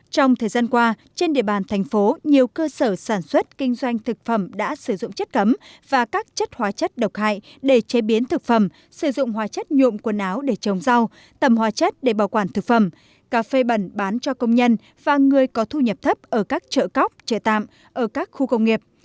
trong thời gian qua trên địa bàn thành phố nhiều cơ sở sản xuất kinh doanh thực phẩm đã sử dụng chất cấm và các chất hóa chất độc hại để chế biến thực phẩm sử dụng hóa chất nhuộm quần áo để trồng rau tầm hóa chất để bảo quản thực phẩm cà phê bẩn bán cho công nhân và người có thu nhập thấp ở các chợ cóc chợ tạm ở các khu công nghiệp